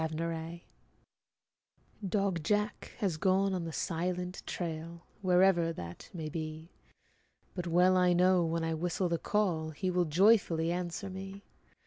JACK Dog Jack has gone on the silent trail, Wherever that may be; But well I know, when I whistle the call, He will joyfully answer me.